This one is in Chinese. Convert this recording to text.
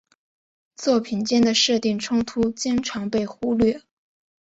作品间的设定冲突经常被忽略。